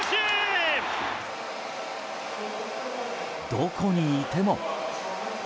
どこにいても。